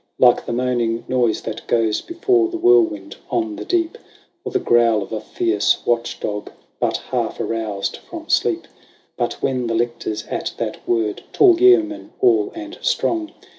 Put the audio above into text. Like the moaning noise that goes before the whirlwind on the deep. Or the growl of a fierce watch dog but half aroused from sleep. But when the lictors at that word, tall yeomen all and strong.